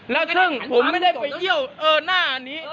แล้วซึ่งผมไม่ได้ไปเยี่ยวเออหน้าอันนี้